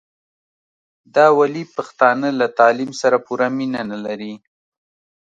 دا ولي پښتانه له تعليم سره پوره مينه نلري